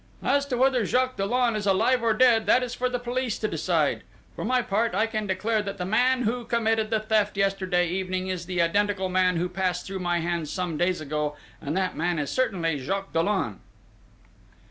"As to whether Jacques Dollon is alive or dead that is for the police to decide!... For my part, I can declare that the man who committed the theft yesterday evening is the identical man who passed through my hands some days ago and that man is certainly Jacques Dollon!"